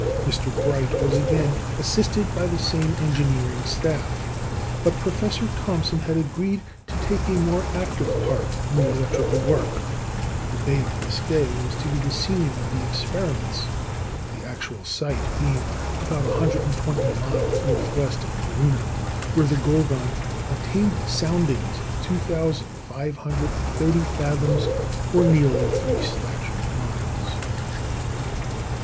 Mr. Bright was again assisted by the same engineering staff, but Professor Thomson had agreed to take a more active part in the electrical work. The Bay of Biscay was to be the scene of the experiments the actual site being about 120 miles northwest of Corunna, where the Gorgon obtained soundings of 2,530 fathoms or nearly three statute miles.